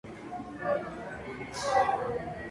Nació en Hammersmith, Londres.